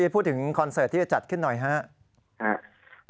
คุณพูดถึงคอนเสิร์ตที่จะจัดขึ้นหน่อยครับ